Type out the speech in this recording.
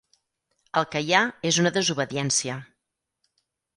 El que hi ha és una desobediència.